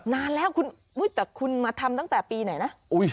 นานแล้วคุณแต่คุณมาทำตั้งแต่ปีไหนนะ